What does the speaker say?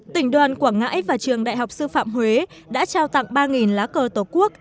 tỉnh đoàn quảng ngãi và trường đại học sư phạm huế đã trao tặng ba lá cờ tổ quốc